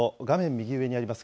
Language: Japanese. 右上にあります